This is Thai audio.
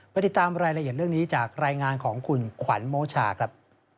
ติดตามรายละเอียดเรื่องนี้จากรายงานของคุณขวัญโมชาครับ